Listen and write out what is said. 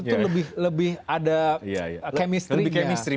itu lebih ada kemistri